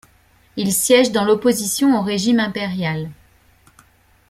Il siège dans l'opposition au régime impérial.